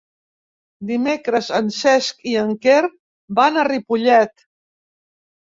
Dimecres en Cesc i en Quer van a Ripollet.